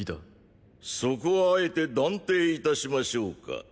そこはあえて断定いたしましょうか。